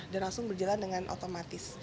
dan langsung berjalan dengan otomatis